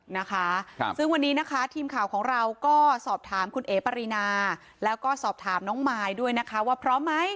นะคะครับซึ่งวันนี้นะคะทีมข่าวของเราก็สอบถามคุณเอ๋ปรินาแล้วก็สอบถามน้องมายด้วยนะคะว่าพร้อมไหม